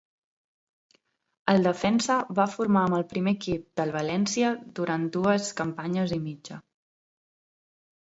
El defensa va formar amb el primer equip del València durant dues campanyes i mitja.